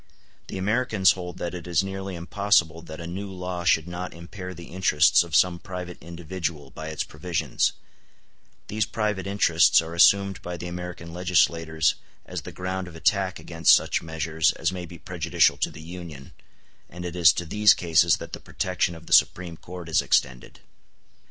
The Americans hold that it is nearly impossible that a new law should not impair the interests of some private individual by its provisions: these private interests are assumed by the American legislators as the ground of attack against such measures as may be prejudicial to the Union, and it is to these cases that the protection of the Supreme Court is extended.